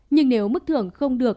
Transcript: nhưng nếu mức thưởng không được